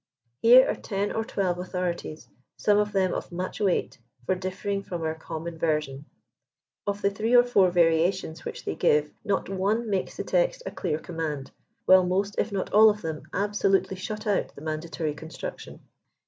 Here are ten or twelve authorities, some of them of much weight, for differing from our common version. Of the three or four variations which they give, not one makes the text a clear command, while most if not all of them absolutely shut out the mandatory construction.